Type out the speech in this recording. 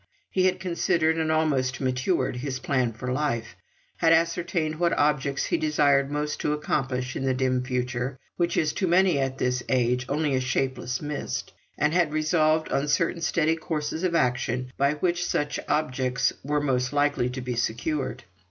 He had considered and almost matured his plan for life; had ascertained what objects he desired most to accomplish in the dim future, which is to many at his age only a shapeless mist; and had resolved on certain steady courses of action by which such objects were most likely to be secured.